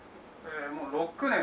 もう６年。